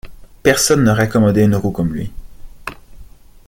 Personne ne raccommodait une roue comme lui.